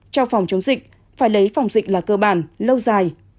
trong phòng chống dịch phải lấy phòng dịch là cơ bản lâu dài